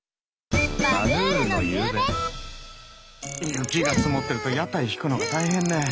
雪が積もってると屋台引くのが大変ね。